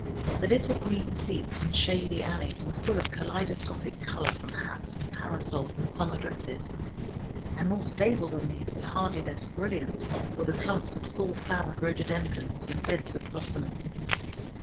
The little green seats and shady alleys were full of kaleidoscopic color from hats and parasols and summer dresses, and more stable than these, but hardly less brilliant, were the clumps of full flowered rhododendrons and beds of blossomings.